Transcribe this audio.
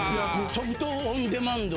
ソフト・オン・デマンド。